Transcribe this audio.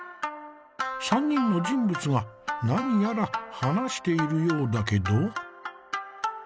３人の人物が何やら話しているようだけど。